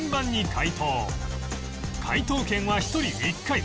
解答権は１人１回